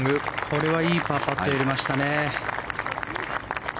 これはいいパーパットを入れましたね。